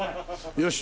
よし。